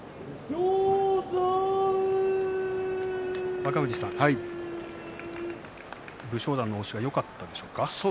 若藤さん、武将山の押しがよかったですか。